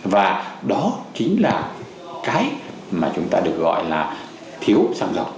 và đó chính là cái mà chúng ta được gọi là thiếu xăng dầu